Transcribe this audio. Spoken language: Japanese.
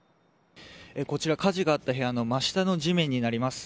こちら火事があった部屋の真下の地面になります。